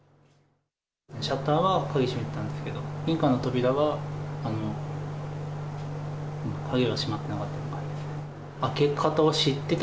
シャッターは鍵閉めてたんですけど、玄関の扉は鍵が閉まってなかった。